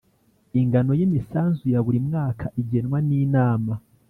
Ingano y imisanzu ya buri mwaka igenwa n Inama